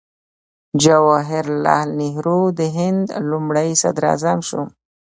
جواهر لال نهرو د هند لومړی صدراعظم شو.